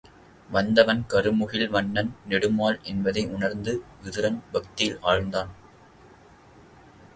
வந்தவன் கருமுகில்வண்ணன் நெடுமால் என்பதை உணர்ந்து விதுரன் பக்தியில் ஆழ்ந்தான்.